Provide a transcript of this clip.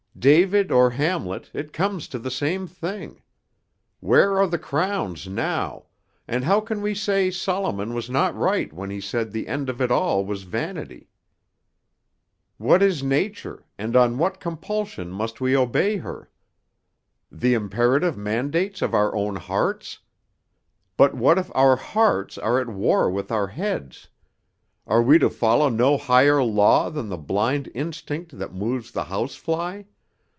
"David or Hamlet, it comes to the same thing. Where are the crowns now, and how can we say Solomon was not right when he said the end of it all was vanity? What is Nature, and on what compulsion must we obey her? The imperative mandates of our own hearts? But what if our hearts are at war with our heads? Are we to follow no higher law than the blind instinct that moves the house fly?